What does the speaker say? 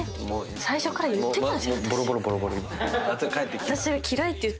最初から言ってたじゃん私。